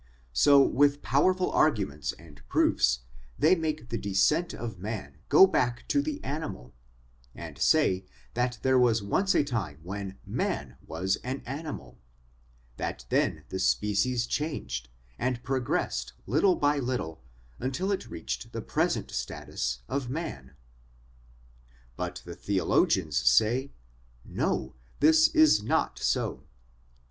So with powerful arguments and proofs, they make the descent of man go back to the animal, and say that there was once a time when man was an animal; that then the species changed, and progressed little by little until it reached the present status of man. But the theologians say : No, this is not so.